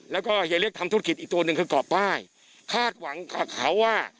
แล้วก็ยายเล็กทำธุรกิจอีกตัวหนึ่งคือกรอบป้ายคาดหวังกับเขาว่า